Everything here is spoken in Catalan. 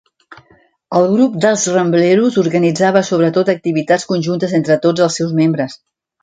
El grup dels Rambleros organitzava sobretot activitats conjuntes entre tots els seus membres.